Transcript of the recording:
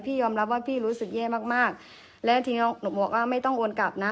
ยอมรับว่าพี่รู้สึกแย่มากมากแล้วทีนี้หนูบอกว่าไม่ต้องโอนกลับนะ